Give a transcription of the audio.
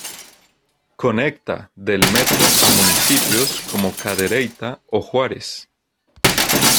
Conecta del metro a municipios como Cadereyta o Juárez.